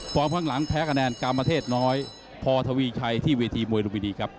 ข้างหลังแพ้คะแนนกามเทศน้อยพอทวีชัยที่เวทีมวยลุมพินีครับ